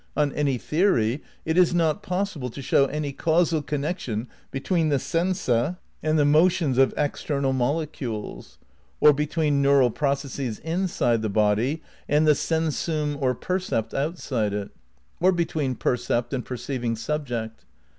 On any theory it is not possible to show any causal connection between the sensa and the motions of ex ternal molecules; or between neural processes inside the body and the sensum or percept outside it ; or be tween percept and perceiving subject.